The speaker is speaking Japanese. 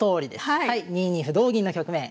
はい２二歩同銀の局面。